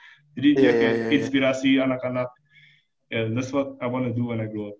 jadi dia kayak inspirasi anak anak and that s what i want to do when i grow up